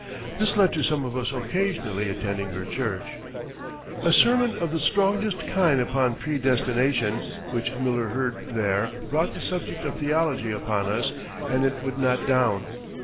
This led to some of us occasionally attending her church. A sermon of the strongest kind upon predestination which Miller heard there brought the subject of theology upon us and it would not down.